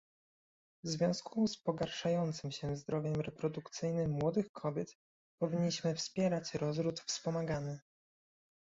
W związku z pogarszającym się zdrowiem reprodukcyjnym młodych kobiet, powinniśmy wspierać rozród wspomagany